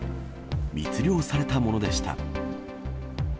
密漁されたものでした。